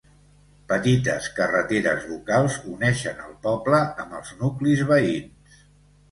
Petites carreteres locals uneixen el poble amb els nuclis veïns.